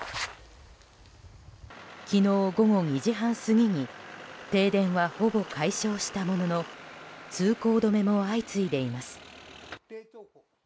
昨日午後２時半過ぎに停電はほぼ解消したものの通行止めも相次いでいます。